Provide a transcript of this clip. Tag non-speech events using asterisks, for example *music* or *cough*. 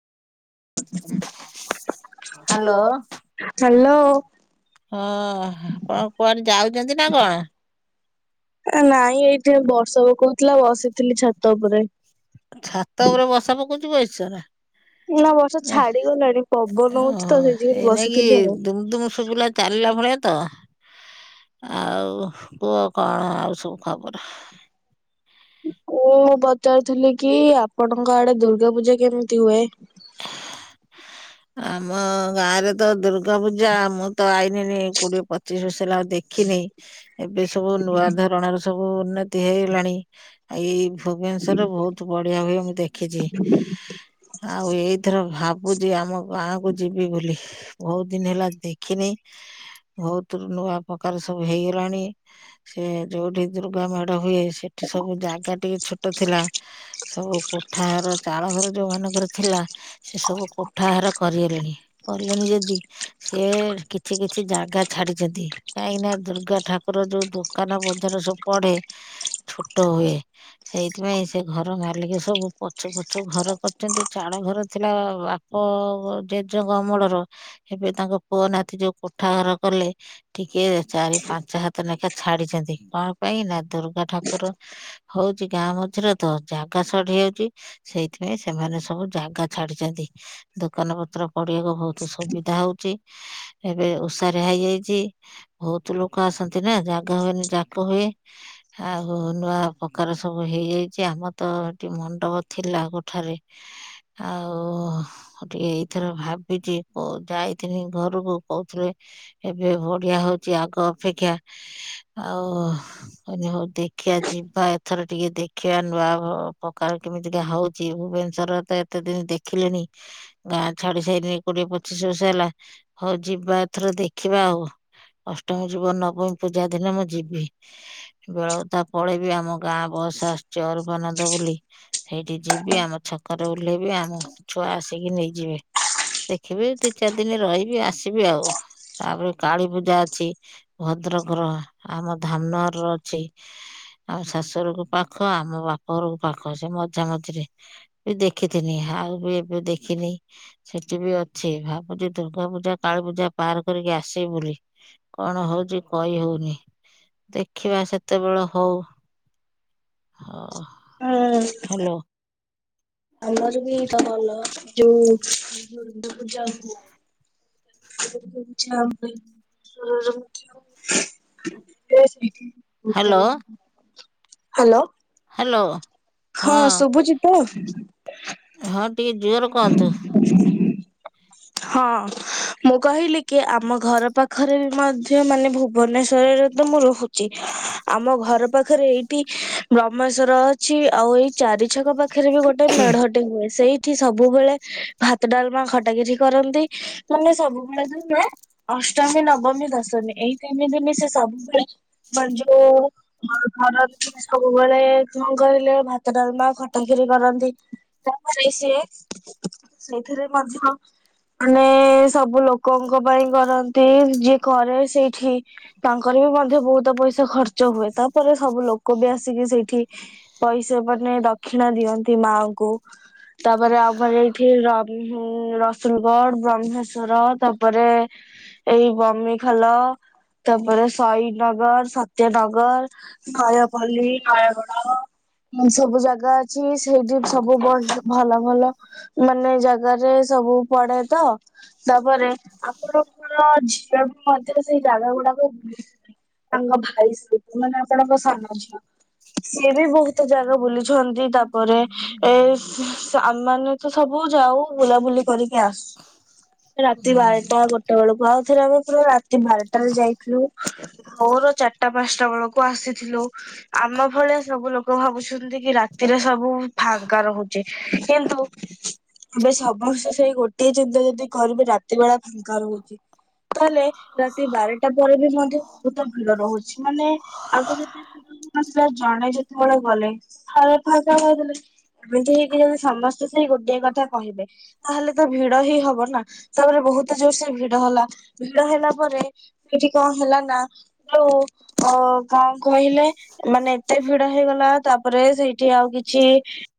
Hello, hello ହଁ ଆପଣ କୁଆଡେ ଯାଉଛନ୍ତି ନା କଣ? ଆ ନାଇଁ ଏଇଠି ବର୍ଷା ପକଉଥିଲା ବସିଥିଲି ଛାତ ଉପରେ। ଛାତ ଉପରେ ବସା ପକଉଛି ବଇସ ନା? ନା ବର୍ଷା ଛାଡିଗଲାଣି ପବନ ଓ ହଉଛି ତ ଯୋଗୁରୁ ସେଇ ନାକି ବସିଥିଲି ଆଉ। ଦୁମ ଦୁମ ଶୁଭିଲା ଚାଲିଲା ଭଳିଆ ତ ଆଉ କୁହ କଣ ଆଉ ସବୁ ଖବର। ମୁଁ ପଚାରୁଥିଲି କି ଆପଣଙ୍କ ଆଡେ ଦୁର୍ଗା ପୂଜା କେମିତି ହୁଏ? ଆମ ଗାଁ ରେ ତ ଦୁର୍ଗା ପୂଜା ମୁଁ ତ ଆଇନିନି କୋଡିଏ ପଚିଶ ବସିଲ ଆଉ ଦେଖି ଦେଖିନି ଏବେ ସବୁ ନୂଆ ଧରଣର ସବୁ ଉନ୍ନତି ହେଇଗଲାଣି। ଏଇ ଭୁବନେଶ୍ଵରରେ ବହୁତ ବଢିଆ ହୁଏ ମୁଁ ଦେଖିଛି। ଆଉ ଏଇଥର ଭାବୁଛି ଆମ ଗାଁକୁ ଯିବି ବୋଲି। ବହୁତ ଦିନ ହେଲା ଦେଖିନି ବହୁତ ନୂଆ ପ୍ରକାର ସବୁ ହେଇଗଲାଣି ସେ ଯୋଉଠି ଦୁର୍ଗା ମେଢ ହୁଏ ସେଠି ସବୁ ଜାଗା ଟିକେ ଛୋଟ ଥିଲା ସବୁ କୋଠା ଘର ଚାଳ ଘର ଯୋଉ ମାନଙ୍କର ଥିଲା ସେ ସବୁ କୋଠାହାର କରିହଲେଣି କଲେଣି ଯଦି ସିଏ କିଛି କିଛି ଜାଗା ଛାଡିଛନ୍ତି। କାହିଁକି ନା ଦୁର୍ଗା ଠାକୁର ଯୋଉ ଦୋକାନ ବଜାର ସବୁ ପଢେ ଛୋଟ ହୁଏ ସେଇଥିପାଇଁ ସେ ଘର ମାଲିକ ସବୁ ପଛୁ ପଛୁ ଘର କରିଛନ୍ତି। ଚାଡ ଘର ଥିଲା ବାପ ଜେଜେଙ୍କ ଅମଳର ଏବେ ତାଙ୍କ ପୁଅ ନାତି ଯୋଉ କୋଠା ଘର କଲେ ଟିକେ ଚାରି ପାଞ୍ଚ ହାତ ଲେଖା ଛାଡିଛନ୍ତି କଣ ପାଇଁ ନା ଦୁର୍ଗା ଠାକୁର ହଉଛି ଗାଁ ମଝିରେ ତ ଜାଗା ସଟ ହେଇଯାଉଛି ସେଇଥିପାଇଁ ସେମାନେ ସବୁ ସବୁ ଜାଗା ଛାଡିଛନ୍ତି ଦୋକାନ ପତ୍ର ପଡିବାକୁ ବହୁତ ସୁବିଧା ହଉଚି। ଏବେ ଉସାରିଆ ହେଇଯାଇଛି। ବହୁତ ଲୋକ ଆସନ୍ତି ନା ଜାଗା ହୁଏନି ଯାକ ହୁଏ। ଆଉ ନୂଆ ପ୍ରକାର ସବୁ ହେଇଯାଇଛି ଆମର ତ ଏଠି ମଣ୍ଡପ ଥିଲା କୋଠାରେ ଆଉ ମୁଁ ଟିକେ ଏଇଥର ଭାବିଛି ଯାଇଥିନି ଘରକୁ କହୁଥିଲେ। ଏବେ ବଢିଆ ହଉଛି ଆଗ ଅପେକ୍ଷା ଆଉ ହନି ହଉ ଦେଖିବା ଯିବା ଏଥର ଟିକେ ଦେଖିବା ନୂଆ ପ୍ରକାର କେମିତିକା ହଉଛି ଭୁବନ ର ତ ଏତେ ଦିନ ଦେଖିଲେଣି। ଗାଁ ଛାଡି ସାରନି କୋଡିଏ ପଚିଶ ବର୍ଷ ହେଲା ହଉ ଯିବା ଏଥର ଦେଖିବା ଆଉ ଅଷ୍ଟମୀ ଯୁବ ନବମୀ ପୂଜା ଦିନ ମୁଁ ଯିବି। ବେଳକୁ ତା ପଳେଇବି ଆମ ଗାଁ ବସ ଆସୁଛି ଅରୂପାନନ୍ଦ ବୋଲି ସେଇଠି ଯିବି ଆମ ଛକରେ ଓହ୍ଲେଇବି ଆମ ଛୁଆ ଆସିକି ନେଇଯିବେ। ଦେଖିବି ଦି ଚାରି ଦିନ ରହିବି ଆସିବି ଆଉ। ତାପରେ କାଳୀ ପୂଜା ଅଛି ଭଦ୍ରକର ଆମ ଧାମନଗର ର ଅଛି। ଆମ ଶାଶୁଘରକୁ ପାଖ ଆମ ବାପା ଘରକୁ ପାଖ ସେ ମଝା ମଝିରେ ବି ଦେଖିଥିନି ଆଉ ବି ଏବେ ଦେଖିନି? ସେଠି ବି ଅଛି ଭାବୁଛି ଦୁର୍ଗା ପୂଜା କାଳୀ ପୂଜା ପାର କରିକି ଆଶିବି ବୋଲି। କଣ ହଉଛି କହି ହଉନି ଦେଖିବା ସେତେବେଳ ହଉ ହଁ। ହୁଁ। ଆମର ବି ତ ଭଲ ଯୋଉ ଦୁର୍ଗା ପୂଜା ହୁ *unintelligible* ହ୍ୟାଲୋ ହ୍ୟାଲୋ ହ୍ୟାଲୋ ହଁ ଶୁଭୁଚି? ତ ହଁ ଟିକେ ଜୋର କହନ୍ତୁ? *unintelligible* *unintelligible* ହଁ ମୁଁ କହିଲି କି ଆମ ଘର ପାଖରେ ବି ମଧ୍ୟ ମାନେ ଭୁବନେଶ୍ଵରରେ ତ ମୁଁ ରହୁ ଆମ ଘର ପାଖରେ ଏଇଠି ବ୍ରହ୍ମେଶ୍ଵର ଅଛି ଆଉ ଏଇ ଚାରି ଛକ ପାଖ ପାଖରେ ବି ଗୋଟେ ମେଢଟେ ହୁଏ ସେଇଠି ସବୁବେଳେ ଭାତ ଡାଲମା ଖଟା କ୍ଷୀରି କରନ୍ତି। ମାନେ ସବୁବେଳେ ଯ ଅଷ୍ଟମୀ ନବମୀ ଦଶମୀ ଏଇ ତିନି ଦିନ ସିଏ ସବୁବେଳେ ମ ଯେ ଘର ସବୁବେଳେ କଣ କହିଲେ ଭାତ ଡାଲମା ଖଟା ଖିରି କରନ୍ତି। ତାପରେ ସିଏ ସେଥିରେ ମଧ୍ୟ ମାନେ ସବୁ ଲୋକଙ୍କ ପାଇଁ କରନ୍ତି ଯିଏ କରେ ସେଇଠି ତାଙ୍କର ବି ମଧ୍ୟ ବହୁତ ପଇସା ଖର୍ଚ୍ଚ ହୁଏ ତାପରେ ସବୁ ଲୋକ ବି ଆସିକି ସେଇଠି ପଇସା ମାନେ ଦକ୍ଷିଣା ଦିଅନ୍ତି ମାଙ୍କୁ ତାପରେ ଆମର ଏଇଠି ରସୁଲଗଡ ବ୍ରହ୍ମେଶ୍ଵର ତାପରେ ଏଇ ବମିଖାଲ ତାପରେ ସହିଦନଗର ସତ୍ୟନଗର ନୟାପଲ୍ଲୀ ନୟାଗଡ ସବୁ ଜାଗା ଅଛି ସେଇଠି ସବୁ ବଡ ଭଲ ଭଲ ମାନେ ଜାଗାରେ ସବୁ ପଡେ ତ ତାପରେ ଆପଣଙ୍କର ଝିଅକୁ ମଧ୍ୟ ସେଇ ଜାଗା ଗୁଡାକୁ ତାଙ୍କ ଭାଇ ସହି ମାନେ ଆପଣଙ୍କ ସାନ ଝିଅ ସିଏବି ବହୁତ ଜାଗା ବୁଲି ଛନ୍ତି ତାପରେ ଏ ଆମେମାନେ ତ ସବୁ ଯାଉ ବୁଲାବୁଲି କରିକି ଆସୁ। ରାତି ହଁ ବାରଟା ଗୋଟେ ବେଳକୁ ଆଉ ଥରେ ଆମେ ପୁରା ରାତି ବାରଟାରେ ଯାଇଥିଲୁ ଭୋର ଚାରିଟା ପାନ୍ସଟା ବେଳକୁ ଆସିଥିଲୁ। ଆମ ଭଳିଆ ସବୁ ଲୋକ ଭାବୁଛନ୍ତି କି ରାତିରେ ସବୁ ଫଙ୍କା ରହୁ ଚି ସେମ୍ ତୁ ଏବେ ସବସ୍ତେ ସେଇ ଗୋଟିଏ ଚିନ୍ତା ଯଦି କରିବେ ରାତି ବେଳା ଫାଙ୍କା ରହୁଚି ତାହେଲେ ରାତି ବାରଟା ପରେ ବି ମଧ୍ୟ ବହୁତ ଭଲ ରହୁଛି ମାନେ ଆଉ ସେ ଯଦି *unintelligible* ଜଣେ ଯେତେବେଳେ ଗଲେ ଫାଳେ ଫାଙ୍କା କର ଦେଲେ। ଏମିତି ହେଇକି ଯଦି ସମସ୍ତେ ସେଇ ଗୋଟିଏ କଥା କହିବେ ତାହେଲେ ତ ଭିଡ ହିଁ ହବ ନା ତାପରେ ବହୁତ ଜୋର ସେ ଭିଡ ହେଲା ଭିଡ ହେଲା ପରେ କିଛି କଁ ହେଲା ନା ହୁଁ ଓ କଁ କହିଲେ ମାନେ ଏତେ ଭିଡ ହେଇଗଲା ତାପରେ ସେଇଠି ଆଉ କିଛି